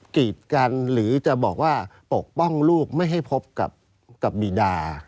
กีดกันหรือจะบอกว่าปกป้องลูกไม่ให้พบกับบีดา